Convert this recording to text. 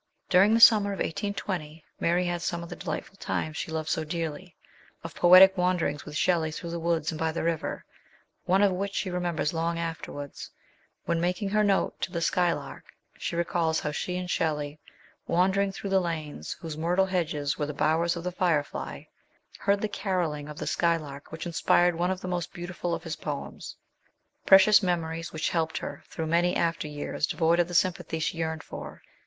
During the summer of 1820 Mary had some of the delightful times she loved so dearly, of poetic wander ings with Shelley through woods and by the river, one of which she remembers long afterwards, when, making her note to the " Skylark/' she recalls how she and Shelley, wandering through the lanes whose myrtle hedges were the bowers of the firefly, heard the carolling of the skylark which inspired one of the most beautiful of his poems. Precious memories which helped her through many after years devoid of the sympathy she yearned for.